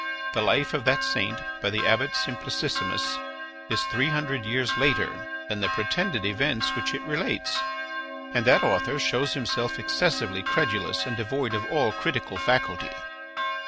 The life of that saint by the Abbot Simplicissimus is three hundred years later than the pretended events which it relates and that author shows himself excessively credulous and devoid of all critical faculty."